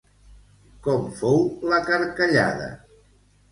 Com fou la carcallada?